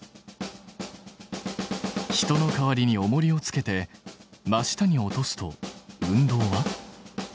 人の代わりにおもりをつけて真下に落とすと運動は？